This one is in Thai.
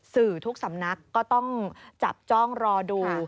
สื่อทุกสำนักก็ต้องจับจ้องรอดู